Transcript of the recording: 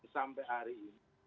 sampai hari ini